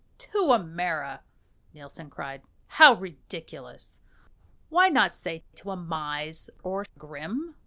"To a mara!" Nielsen cried; "how ridiculous! Why not say to a mise or grim?